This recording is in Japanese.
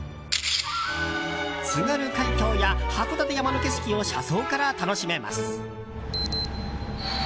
津軽海峡や函館山の景色を車窓から楽しめます。